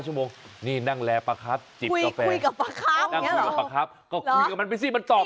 ๔๕ชั่วโมงอะก็คุยกับมันไปมันตอบ